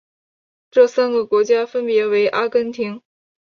这三个国家分别为阿根廷。